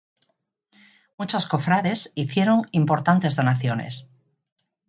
Muchos cofrades hicieron importantes donaciones.